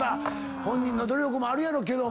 本人の努力もあるやろうけども。